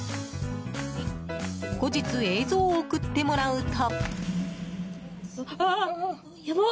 後日、映像を送ってもらうと。